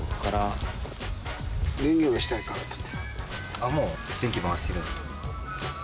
あっもう電気回してるんですか。